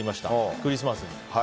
クリスマスに。